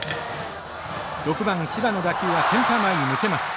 ６番柴の打球はセンター前に抜けます。